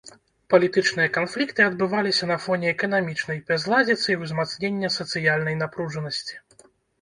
Палітычныя канфлікты адбываліся на фоне эканамічных бязладзіцы і ўзмацнення сацыяльнай напружанасці.